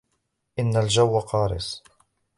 إن الجو قارس.